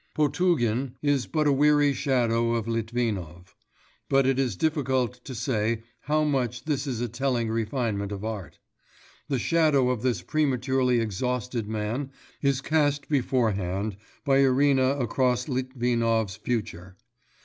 Potugin is but a weary shadow of Litvinov, but it is difficult to say how much this is a telling refinement of art. The shadow of this prematurely exhausted man is cast beforehand by Irina across Litvinov's future.